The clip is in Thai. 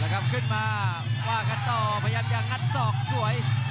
ขึ้นมาว่ากันต่อพยายามจะงัดศอกสวย